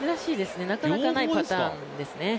なかなかないパターンですね。